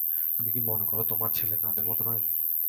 তুমি কি মনে করো তোমার ছেলে তাদের মতো নয়?